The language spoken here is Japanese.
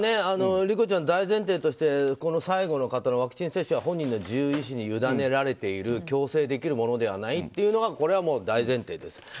理子ちゃん、大前提として最後の方のワクチン接種は本人の自由意思に委ねられている強制できるものではないというのは大前提です。